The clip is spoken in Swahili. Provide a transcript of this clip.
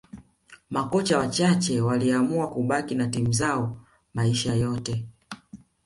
makocha wachache waliamua kubaki na timu zao maisha yote